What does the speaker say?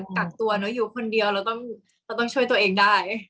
กากตัวแล้วอยู่คนเดียวแล้วต้องช่วยตัวเองได้